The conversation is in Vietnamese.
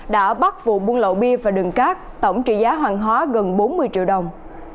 đã bắt vụ buôn lậu bia và đường cát tổng trị giá hàng hóa gần bốn mươi triệu đồng